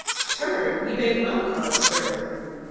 "Stern! you may well call it stern."